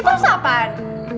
ya terus apaan